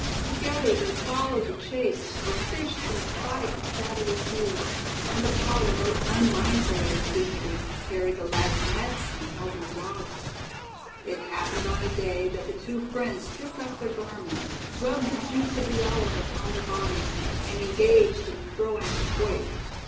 Together they followed the chase, or fished in the quiet and shadowy pools; and Apollo, unmindful of his dignity, carried the lad's nets and held his Dogs. It happened on a day that the two friends stripped off their garments, rubbed the juice of the olive upon their bodies, and engaged in throwing the quoit.